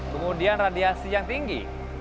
kemudian radiasi yang tinggi